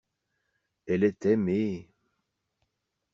Elle est aimée.